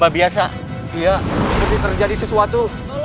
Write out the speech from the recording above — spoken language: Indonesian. biasa iya lebih terjadi sesuatu